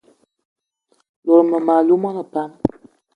O lot mmem- alou mona pam?